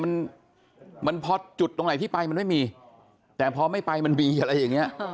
มันมันพอจุดตรงไหนที่ไปมันไม่มีแต่พอไม่ไปมันมีอะไรอย่างเงี้ย